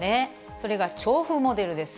それが調布モデルです。